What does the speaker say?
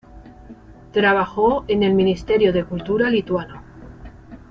Trabajó en el Ministerio de Cultura lituano.